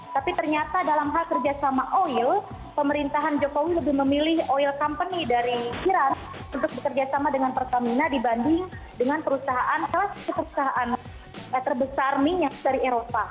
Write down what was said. tapi ternyata dalam hal kerjasama oil pemerintahan jokowi lebih memilih oil company dari iran untuk bekerjasama dengan pertamina dibanding dengan perusahaan kelas perusahaan terbesar minyak dari eropa